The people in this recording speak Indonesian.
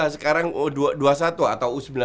sekarang u dua puluh satu atau u sembilan belas